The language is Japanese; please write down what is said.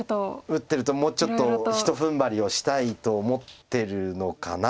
打ってるともうちょっとひと踏ん張りをしたいと思ってるのかな。